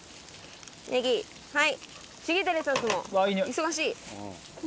忙しい！